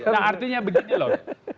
nah artinya begini loh